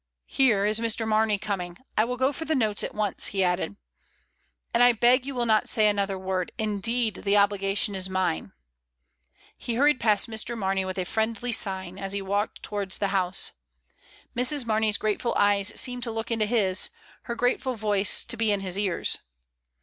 ... Here is Mr. Mamey coming. I will go for the notes at once," he added, "and I beg you will not say another wca d, indeed the obligation is mine." He hurried past Mr. Mamey, with a friendly sign, as he walked towards the house. Mrs. Mame3r's grateful eyes seemed to look into his; her grateful voice to be in his ears.